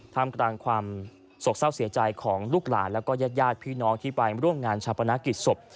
ทำกลางความโศกเศร้าเสียใจของลูกหลานแล้วก็ญาติพี่น้องที่ไปร่วมงานชาปนากิจศพ